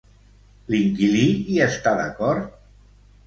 L'inquilí hi està d'acord?